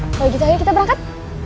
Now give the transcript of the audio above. kalau gitu ayo kita berangkat